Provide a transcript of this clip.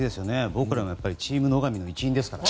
僕たちもチーム野上の一員ですから。